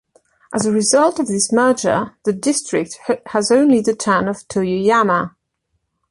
As a result of this merger, the district has only the town of Toyoyama.